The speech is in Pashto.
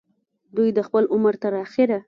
دوي د خپل عمر تر اخره